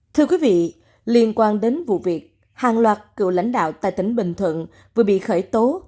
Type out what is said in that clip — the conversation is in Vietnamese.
thưa quý vị liên quan đến vụ việc hàng loạt cựu lãnh đạo tại tỉnh bình thuận vừa bị khởi tố